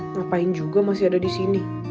ngapain juga masih ada di sini